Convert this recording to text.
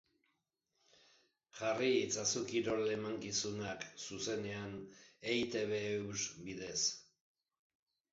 Jarrai itzazu kirol emankizunak, zuzenean, eitb-eus bidez.